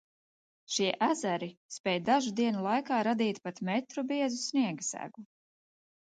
Šie ezeri spēj dažu dienu laikā radīt pat metru biezu sniega segu.